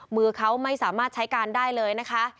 มือเขาไม่สามารถใช้การได้เลยนะคะ